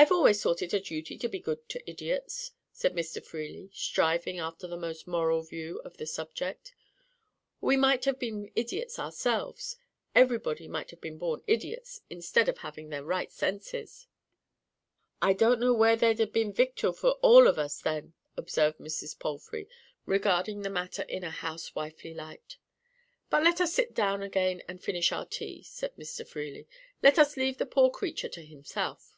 "I've always thought it a duty to be good to idiots," said Mr. Freely, striving after the most moral view of the subject. "We might have been idiots ourselves—everybody might have been born idiots, instead of having their right senses." "I don't know where there'd ha' been victual for us all then," observed Mrs. Palfrey, regarding the matter in a housewifely light. "But let us sit down again and finish our tea," said Mr. Freely. "Let us leave the poor creature to himself."